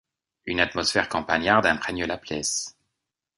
Une atmosphère campagnarde imprègne la pièce.